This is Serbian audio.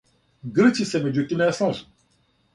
Грци се међутим не слажу.